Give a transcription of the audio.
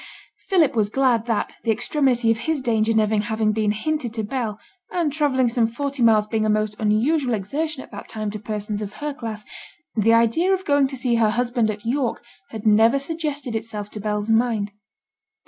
Philip was glad that, the extremity of his danger never having been hinted to Bell, and travelling some forty miles being a most unusual exertion at that time to persons of her class, the idea of going to see her husband at York had never suggested itself to Bell's mind.